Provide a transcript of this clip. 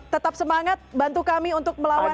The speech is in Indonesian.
tetap semangat bantu kami untuk melawan covid sembilan belas